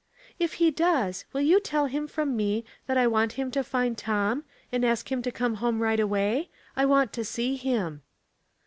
" If he does, will you tell him from me that I want him to find Tom, and ask him to come home right away ; I want to see him."